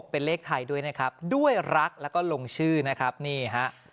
เป็นเลขไทยด้วยนะครับด้วยรักแล้วก็ลงชื่อนะครับนี่ฮะ